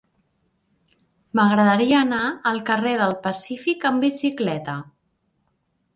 M'agradaria anar al carrer del Pacífic amb bicicleta.